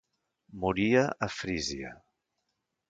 Moria a Frísia.